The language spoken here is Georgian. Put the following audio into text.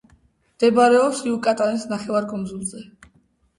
მდებარეობს იუკატანის ნახევარკუნძულზე.